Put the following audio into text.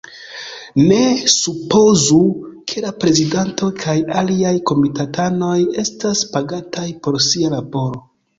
Ne supozu, ke la prezidanto kaj aliaj komitatanoj estas pagataj por sia laboro!